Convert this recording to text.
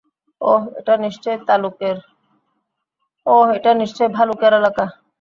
ওহ, এটা নিশ্চয়ই ভালুকের এলাকা।